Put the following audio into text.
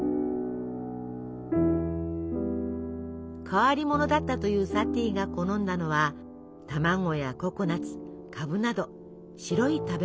変わり者だったというサティが好んだのは卵やココナツカブなど白い食べ物。